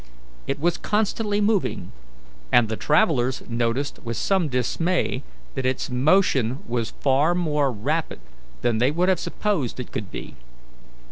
It was constantly moving, and the travellers noticed with some dismay that its motion was far more rapid than they would have supposed it could be.